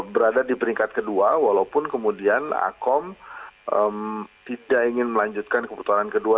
berada di peringkat kedua walaupun kemudian akom tidak ingin melanjutkan ke putaran kedua